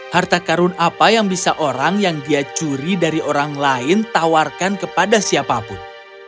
harta karun apa yang bisa orang yang dia curi dari orang lain tawarkan kepada siapapun